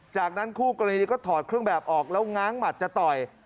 จากนั้นคู่กรณีก็ถอดเครื่องแบบออกแล้วง้างหมัดจะต่อย